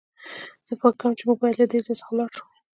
زه فکر کوم چې موږ بايد له دې ځای څخه ولاړ شو.